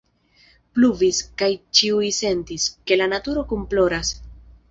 Pluvis, kaj ĉiuj sentis, ke la naturo kunploras.